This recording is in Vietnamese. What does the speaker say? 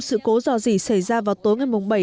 sự cố dò dì xảy ra vào tối ngày một